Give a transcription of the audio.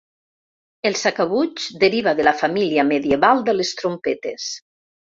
El sacabutx deriva de la família medieval de les trompetes.